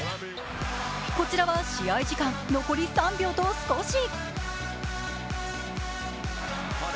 こちらは試合時間、残り３秒と少し。